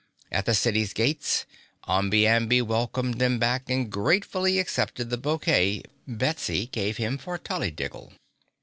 At the city's gates, Omby Amby welcomed them back and gratefully accepted the bouquet Betsy gave him for Tollydiggle.